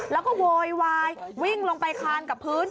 แล้วก็โวยวายวิ่งลงไปคานกับพื้น